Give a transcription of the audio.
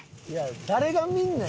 誰が見んねん。